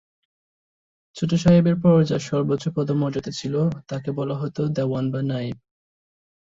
ছোট সাহেবের পর যার সর্বোচ্চ পদমর্যাদা ছিল, তাকে বলা হত দেওয়ান বা নায়েব।